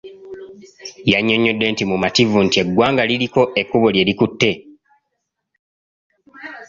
Yannyonnyodde nti mumativu nti eggwanga liriko ekkubo lye likutte.